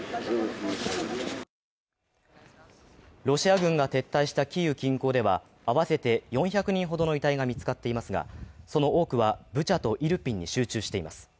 ロシア軍が撤退したキーウ近郊では合わせて４００人ほどの遺体が見つかっていますが、その多くはブチャとイルピンに集中しています。